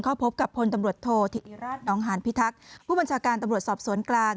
เข้าพบกับพลตำรวจโทษธิติราชน้องหานพิทักษ์ผู้บัญชาการตำรวจสอบสวนกลาง